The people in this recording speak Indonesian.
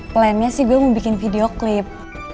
plan nya sih gue mau bikin video klip